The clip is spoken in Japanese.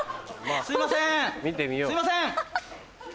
すいません